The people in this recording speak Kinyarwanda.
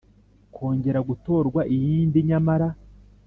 kongera gutorwa iyindi Nyamara